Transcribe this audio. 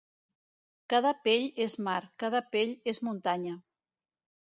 Cada pell és mar, cada pell és muntanya.